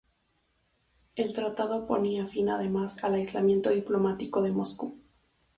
El tratado ponía fin además al aislamiento diplomático de Moscú.